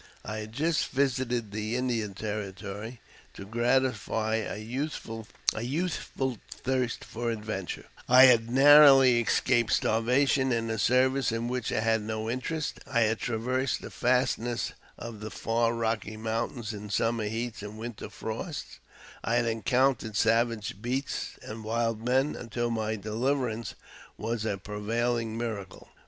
I had just visited the Indian territory to gratify a youthful thirst for adventure ; I 308 AUTOBIOGBAPHY OF I had narrowly escaped starvation in a service in which I hadfll no interest ; I had traversed the fastnesses of the far Kocky Mountains in summer heats and winter frosts ; I had en countered savage beasts and wild men, until my deliverance was a prevailing miracle.